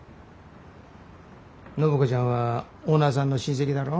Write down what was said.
暢子ちゃんはオーナーさんの親戚だろ。